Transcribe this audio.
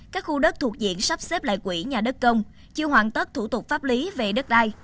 các khu đất thuộc diện sắp xếp lại quỹ nhà đất công chưa hoàn tất thủ tục pháp lý về đất đai